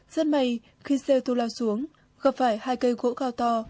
rất may khi xe ô tô lao xuống gặp phải hai cây gỗ cao to